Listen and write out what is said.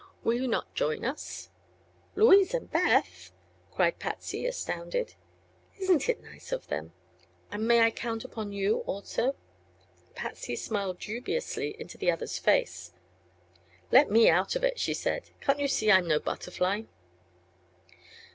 Will you not join us?" "Louise and Beth!" cried Patsy, astounded. "Isn't it nice of them? And may I count upon you, also?" Patsy smiled dubiously into the other's face. "Let me out of it!" she said. "Can't you see I'm no butterfly?"